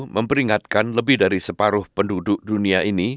memperingatkan lebih dari separuh penduduk dunia ini